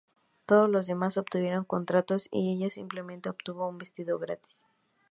Todos los demás obtuvieron contratos, y ella simplemente obtuvo un vestido gratis".